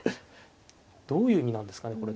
どういう意味なんですかねこれ。